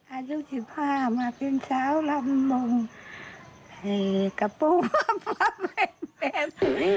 อายุ๑๕มาเป็นสาวรำวงใส่กระปุงวับเฟม